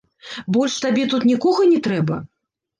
Больш табе тут нікога не трэба?